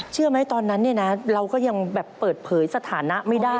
เชื่อไหมตอนนั้นเนี่ยนะเราก็ยังแบบเปิดเผยสถานะไม่ได้